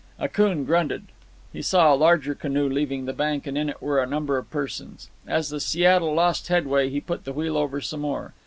Akoon grunted. He saw a larger canoe leaving the bank, and in it were a number of persons. As the Seattle lost headway, he put the wheel over some more.